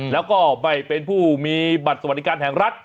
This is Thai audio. แล้วก็ไม่เป็นผู้มีบัตรสวัสดิการแห่งรัฐ